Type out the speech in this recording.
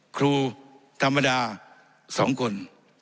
ครูธรรมดา๒คน